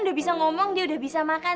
udah bisa ngomong dia udah bisa makan